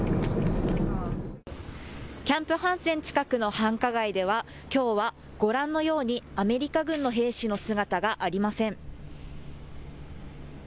キャンプ・ハンセン近くの繁華街では、きょうはご覧のようにアメリカ軍の兵士の姿がありません。